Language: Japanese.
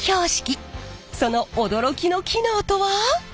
その驚きの機能とは？